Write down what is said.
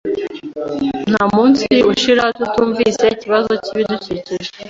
Ntamunsi ushira tutumvise ikibazo cyibidukikije.